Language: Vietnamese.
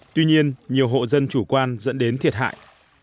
tuy nhiên nhiều hộ dân chủ quan dẫn đến thiệt hại